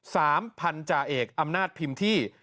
พันธาเอกอำนาจพิมพ์ที่